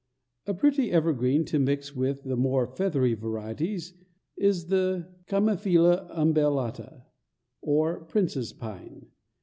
A pretty evergreen to mix with the more feathery varieties is the Chimaphila umbellata, or prince's pine.